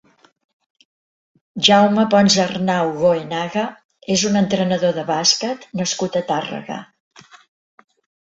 Jaume Ponsarnau Goenaga és un entrenador de bàsquet nascut a Tàrrega.